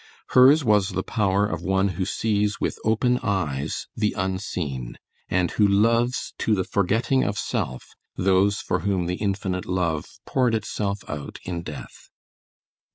Hers was the power of one who sees with open eyes the unseen, and who loves to the forgetting of self those for whom the Infinite love poured Itself out in death.